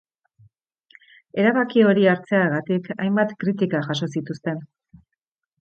Erabaki hori hartzeagatik hainbat kritika jaso zituzten.